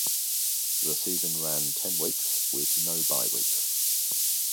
The season ran ten weeks, with no bye weeks.